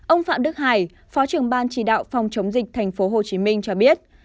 ông phạm đức hải phó trưởng ban chỉ đạo phòng chống dịch tp hcm cho biết